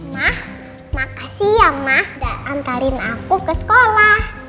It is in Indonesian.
mah makasih ya ma udah antarin aku ke sekolah